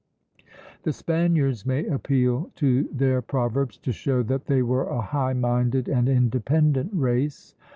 The Spaniards may appeal to their proverbs to show that they were a high minded and independent race.